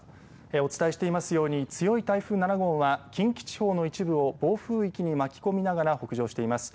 お伝えしていますように強い台風７号は近畿地方の一部を暴風域に巻き込みながら北上しています。